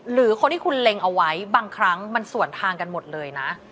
หรือคนที่คุณเล็งเอาไว้บางครั้งมันส่วนทางกันหมดเลยนะ